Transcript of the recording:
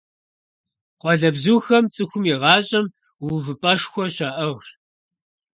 Къуалэбзухэм цӀыхум и гъащӀэм увыпӀэшхуэ щаӀыгъщ.